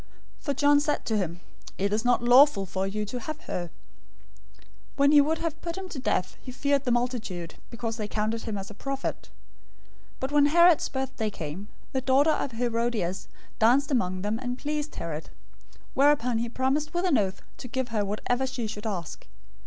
014:004 For John said to him, "It is not lawful for you to have her." 014:005 When he would have put him to death, he feared the multitude, because they counted him as a prophet. 014:006 But when Herod's birthday came, the daughter of Herodias danced among them and pleased Herod. 014:007 Whereupon he promised with an oath to give her whatever she should ask.